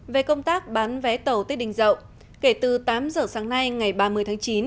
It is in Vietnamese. về công tác bán vé tàu tết đình dậu kể từ tám giờ sáng nay ngày ba mươi tháng chín